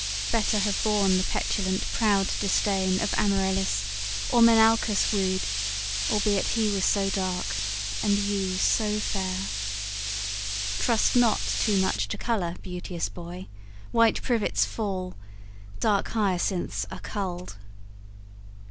Better have borne the petulant proud disdain Of Amaryllis, or Menalcas wooed, Albeit he was so dark, and you so fair! Trust not too much to colour, beauteous boy; White privets fall, dark hyacinths are culled.